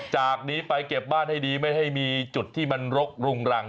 จากนี้ไปเก็บบ้านให้ดีไม่ให้มีจุดที่มันรกรุงรัง